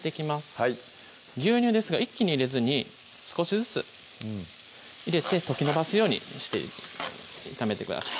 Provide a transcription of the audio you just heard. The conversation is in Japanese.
はい牛乳ですが一気に入れずに少しずつ入れて溶き延ばすようにして炒めてください